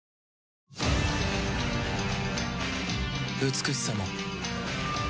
美しさも